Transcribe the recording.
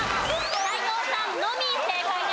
斎藤さんのみ正解です。